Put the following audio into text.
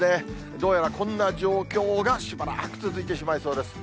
どうやらこんな状況がしばらく続いてしまいそうです。